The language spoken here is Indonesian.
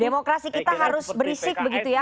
demokrasi kita harus berisik begitu ya